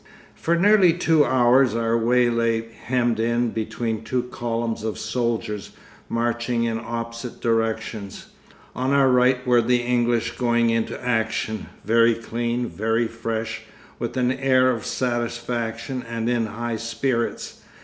For nearly two hours our way lay hemmed in between two columns of soldiers, marching in opposite directions. On our right were the English going into action, very clean, very fresh, with an air of satisfaction and in high spirits.